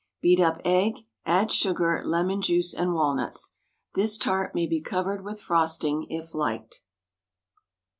Beat up egg, add sugar, lemon juice and walnuts. This tart may be covered with frosting if liked.